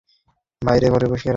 বাহিরের ঘরে বসাইয়া রাখিল।